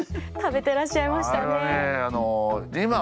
食べてらっしゃいましたね。